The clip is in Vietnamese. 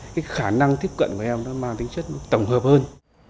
cái khả năng tiếp cận của em nó mang tính chất tổng hợp hơn